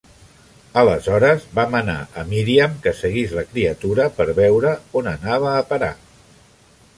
Aleshores, va manar a Míriam que seguís la criatura per veure on anava a parar.